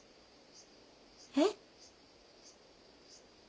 えっ？